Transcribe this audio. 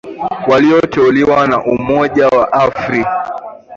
walioteuliwa na umoja wa afri